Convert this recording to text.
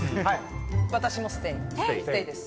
私もステイです。